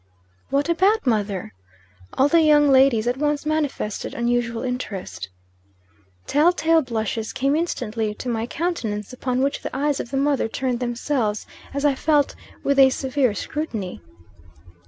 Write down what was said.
"'What about, mother?' All the young ladies at once manifested unusual interest. "Tell tale blushes came instantly to my countenance, upon which the eyes of the mother turned themselves, as I felt, with a severe scrutiny.